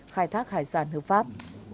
khai thác hải sản hợp pháp